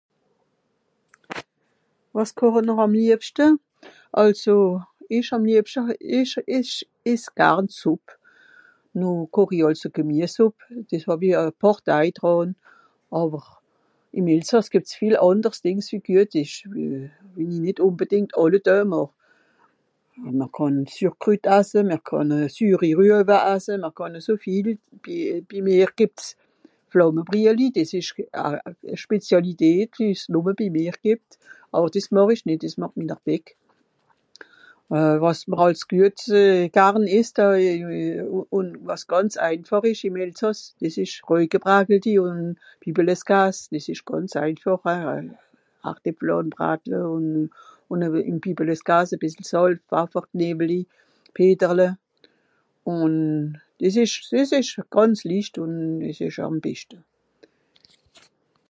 Wàs koche-n-r àm liebschte ? àlso ìch àm liebschte ìch ìch ess garn Sùpp. Noh koch i àlso Gemiessùpp. Dìs hàw-i e pààr Daj dràn. Àwer ìm Elsàss gìbbt's viel ànders Dìngs wie güet ìsch, wie-n-i nìt ùnbedìngt àlle Doe màch. Mr kànn Sürkrütt asse, mr kànn Sürrirüewe asse, mr kànn eso viel. Bi... bi mìr gìbbt's Flàmmebrialli dìs ìsch e Speziàlität wie es nùmme bi mìr gìbbt. Àwer dìs màch ich nìt dìs màcht minner Beck. Euh... wàs mr àls güet... garn esst euh... ùn wàs gànz einfàch ìsch ìm Elsàss dìs ìsch Rueibebrattelti ùn Bibbeleskas, dìs ìsch gànz einfàch hein, Hartépfel bratle ùn ìm Bibbeleskas e bìssel Sàlz, Pfaffer, Knewli, Peterle. Ùn dìs ìsch... dìs ìsch gànz licht ùn dìs ìsch àm beschte.